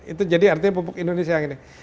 itu jadi artinya pupuk indonesia yang ini